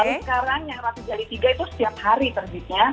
lalu sekarang yang rapi jali tiga itu setiap hari terbitnya